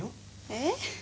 「えっ？」